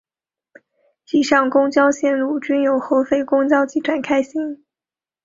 以上公交线路均由合肥公交集团开行。